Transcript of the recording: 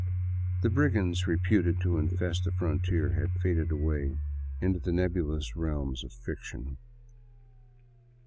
The brigands reputed to infest the frontier had faded away into the nebu lous realms of fiction.